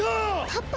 パパ？